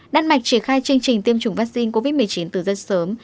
đan mạch triển khai chương trình tiêm chủng vaccine covid một mươi chín từ rất sớm